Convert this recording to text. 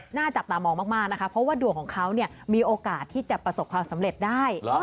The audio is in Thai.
หน้าจับตามองมากนะคะเพราะว่าดวงของเขามีโอกาสที่จะประสบความสำเร็จได้